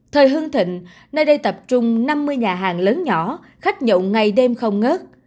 thời hương thịnh nơi đây tập trung năm mươi nhà hàng lớn nhỏ khách nhộn ngày đêm không ngớt